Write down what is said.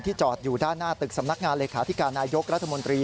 จอดอยู่ด้านหน้าตึกสำนักงานเลขาธิการนายกรัฐมนตรี